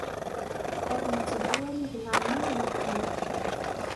Ar nettedu allig neṛmey, neqqim.